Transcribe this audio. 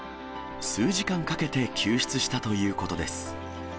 数時間かけて救出したということです。